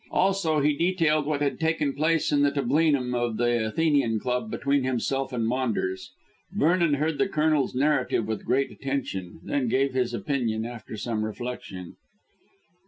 Also he detailed what had taken place in the tablinum of the Athenian Club between himself and Maunders. Vernon heard the Colonel's narrative with great attention, then gave his opinion after some reflection.